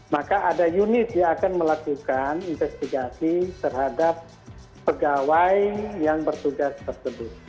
maka ada unit yang akan melakukan investigasi terhadap pegawai yang bertugas tersebut